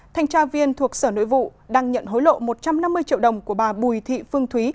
thanh tra viên thuộc sở nội vụ đang nhận hối lộ một trăm năm mươi triệu đồng của bà bùi thị phương thúy